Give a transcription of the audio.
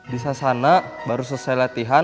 di sasana baru selesai latihan